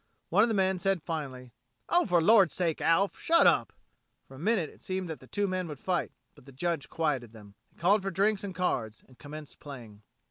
One of the men said, finally, "Oh, for Lord's sake, Alf, shut up!" For a minute it seemed that the two men would fight, but the Judge quieted them. They called for drinks and cards, and commenced playing.